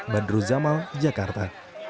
badru zammal jakarta